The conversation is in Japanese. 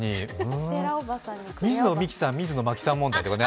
水野美紀さん、水野真紀さん問題ね。